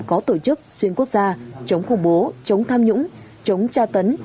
có tổ chức xuyên quốc gia chống khủng bố chống tham nhũng chống tra tấn